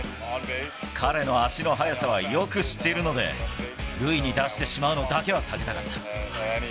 彼の足の速さはよく知っているので、塁に出してしまうのだけは避けたかった。